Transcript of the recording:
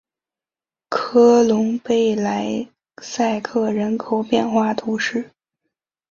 科隆贝莱塞克人口变化图示